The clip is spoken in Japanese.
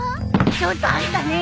ちょっとあんたね